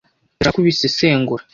Ndashaka ko ubisesengura.